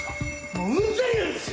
もううんざりなんすよ！